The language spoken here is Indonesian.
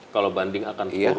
kalau banding akan turun atau